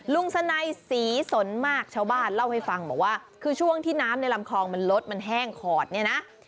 สนัยศรีสนมากชาวบ้านเล่าให้ฟังบอกว่าคือช่วงที่น้ำในลำคลองมันลดมันแห้งขอดเนี่ยนะ